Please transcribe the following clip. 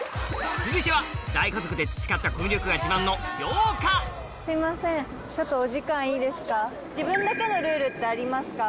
続いては大家族で培ったコミュ力が自慢のすいませんちょっとお時間いいですか？